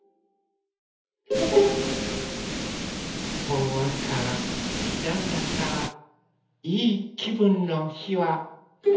ほんわかなんだかいいきぶんのひは。